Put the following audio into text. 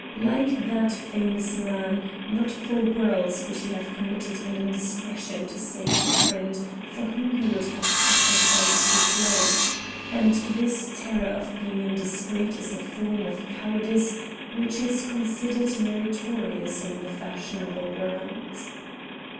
Like that famous man, not for worlds would he have committed an indiscretion to save a friend for whom he would have sacrificed his life; and this terror of being indiscreet is a form of cowardice which is considered meritorious in the fashionable world.